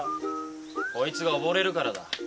こいつがおぼれるからだ。